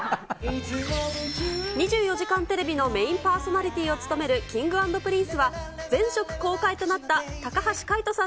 ２４時間テレビのメインパーソナリティーを務めるＫｉｎｇ＆Ｐｒｉｎｃｅは、全色公開となった高橋海人さん